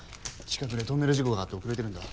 近くでトンネル事故があって遅れてるんだ。